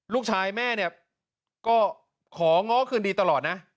ลูกชายแม่เนี่ยก็ของ้อคืนดีตลอดนะ